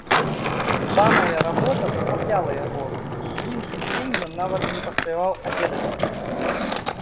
Самая работа захапляла яго, і іншы дзень ён нават не паспяваў абедаць.